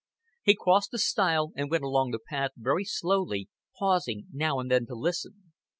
He crossed the stile, and went along the path very slowly, pausing now and then to listen.